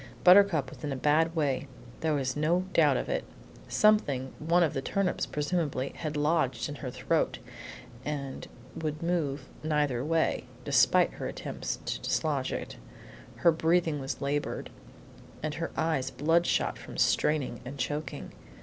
Buttercup was in a bad way; there was no doubt of it. Something, one of the turnips, presumably, had lodged in her throat, and would move neither way, despite her attempts to dislodge it. Her breathing was labored, and her eyes bloodshot from straining and choking.